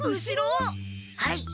はい。